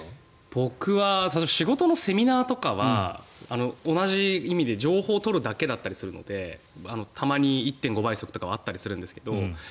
僕は仕事のセミナーとかは同じ意味で情報を取るだけだったりするのでたまに１．５倍速とかはあったりするんですけど